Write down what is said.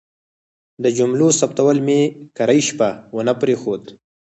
د جملو ثبتول مې کرۍ شپه ونه پرېښود.